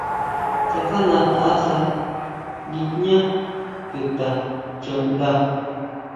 Tsakjajnataʼsa guijñá chuta chuʼnda.